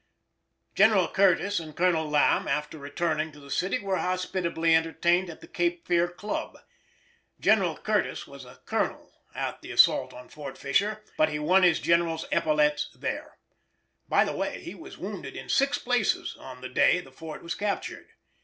General Curtis and Colonel Lamb, after returning to the city, were hospitably entertained at the Cape Fear Club. General Curtis was a Colonel at the assault on Fort Fisher, but he won his General's epaulettes there. By the way, he was wounded in six places on the day the fort was captured.